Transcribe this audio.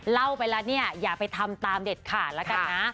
เล่าไปแล้วเนี่ยอย่าไปทำตามเด็ดขาดแล้วกันนะ